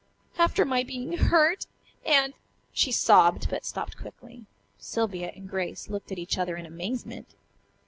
"After my being hurt, and " she sobbed, but stopped quickly. Sylvia and Grace looked at each other in amazement.